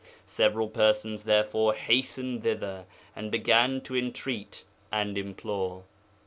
Several persons therefore hastened thither, and began to entreat and implore.'